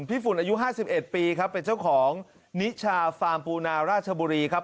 ฝุ่นอายุ๕๑ปีครับเป็นเจ้าของนิชาฟาร์มปูนาราชบุรีครับ